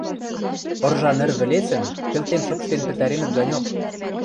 Ыржа ныр вӹлецын кӹлтем шыпштен пӹтаренӹт ганьок